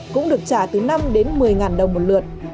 cũng được trả từ năm đến một mươi ngàn đồng một lượt